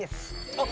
あっ！